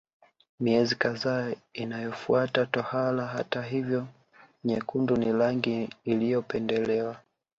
Miezi kadhaa inayofuata tohara hata hivyo nyekundu ni rangi iliyopendelewa